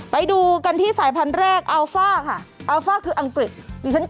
ไปดูกันที่สายพันธุ์แรกอัลฟ่าค่ะอัลฟ่าคืออังกฤษ